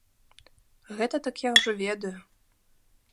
Гэта дык я ўжо ведаю.